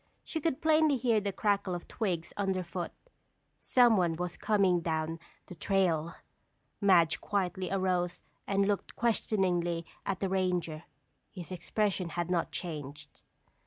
She could plainly hear the crackle of twigs underfoot. Someone was coming down the trail! Madge quietly arose and looked questioningly at the ranger. His expression had not changed.